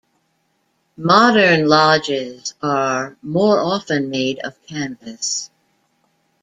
Modern lodges are more often made of canvas.